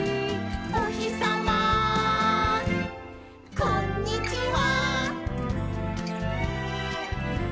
「おひさまこんにちは！」